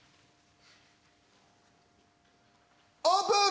オープン！